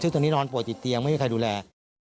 ซึ่งตอนนี้นอนป่วยติดเตียงไม่มีใครดูแล